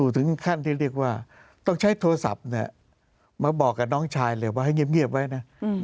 ถึงขั้นที่เรียกว่าต้องใช้โทรศัพท์มาบอกกับน้องชายเลยว่าให้เงียบไว้นะ